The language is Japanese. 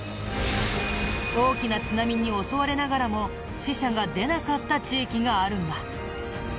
大きな津波に襲われながらも死者が出なかった地域があるんだ。